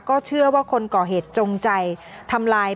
ก็เชื่อว่าคนก่อเหตุจงใจทำลาย